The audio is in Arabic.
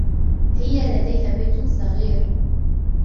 هي لديها بيت صغير.